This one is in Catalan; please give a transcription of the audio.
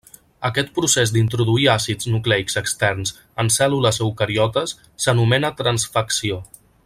Aquest procés d'introduir àcids nucleics externs en cèl·lules eucariotes s'anomena transfecció.